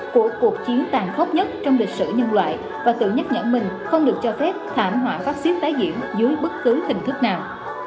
của cuộc chiến tàn khốc nhất trong lịch sử nhân loại và tự nhắc nhở mình không được cho phép thảm họa phát xít tái diễn dưới bất cứ hình thức nào